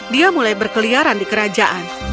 dia mulai berkeliaran di kerajaan